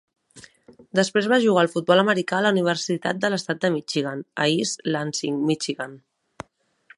Després va jugar a futbol americà a la universitat de l"estat de Michigan, a East Lansing, Michigan.